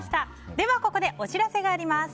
では、ここでお知らせがあります。